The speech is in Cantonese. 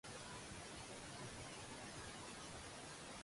平素學到品質撈咁攪